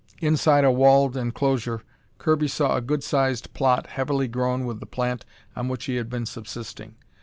Inside a walled enclosure, Kirby saw a good sized plot heavily grown with the plant on which he had been subsisting.